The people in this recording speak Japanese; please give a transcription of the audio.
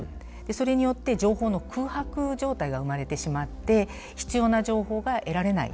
それによって情報の空白状態が生まれてしまって必要な情報が得られない。